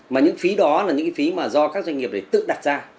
mà những phí đó là những phí mà do các doanh nghiệp tự đặt ra